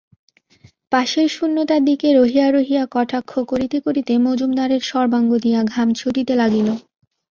পাশের শূন্যতার দিকে রহিয়া রহিয়া কটাক্ষ করিতে করিতে মজুমদারের সর্বাঙ্গ দিয়া ঘাম ছুটিতে লাগিল।